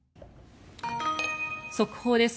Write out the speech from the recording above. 速報です。